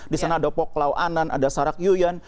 di sana ada pok lau anan ada sarak yuyan